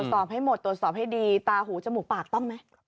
สอบให้หมดตรวจสอบให้ดีตาหูจมูกปากต้องไหม